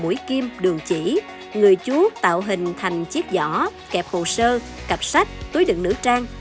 mũi kim đường chỉ người chú tạo hình thành chiếc giỏ kẹp hồ sơ cặp sách túi đựng nữ trang